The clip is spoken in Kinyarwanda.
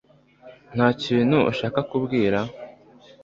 Nta kintu ushaka kubwira ?